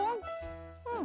うん。